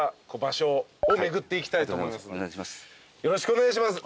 よろしくお願いします